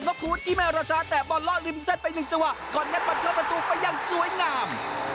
จะว่ากับน๊อปคุ้นที่ไม่รอชะแต่บอนลอดริมเซตไปหนึ่งจังหวะก่อนยังปั่นเครื่องประตูไปสวยงาม